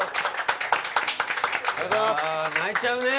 泣いちゃうね。